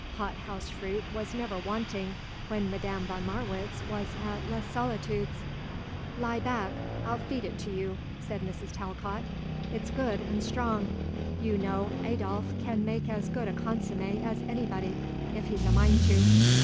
Hot house fruit was never wanting when Madame von Marwitz was at Les Solitudes. "Lie back. I'll feed it to you," said Mrs. Talcott. "It's good and strong. You know Adolphe can make as good a consommée as anybody, if he's a mind to."